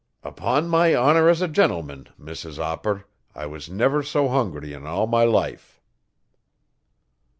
Upon my honour as a gentleman, Mrs Opper, I was never so hungry in all my life.'